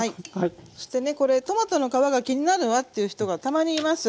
そしてねこれトマトの皮が気になるわっていう人がたまにいます。